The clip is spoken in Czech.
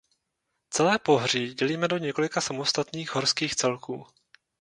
Celé pohoří dělíme do několika samostatných horských celků.